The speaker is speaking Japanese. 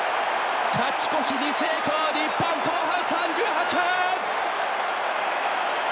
勝ち越しに成功、日本後半３８分！